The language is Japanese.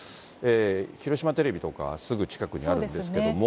広島テレビとかすぐ近くにあるんですけれども。